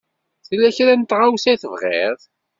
Tella kra n tɣawsa i tebɣiḍ?